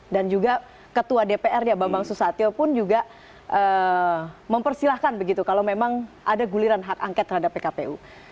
dan juga ketua dprnya bambang susatyo pun juga mempersilahkan begitu kalau memang ada guliran hak angket terhadap pkpu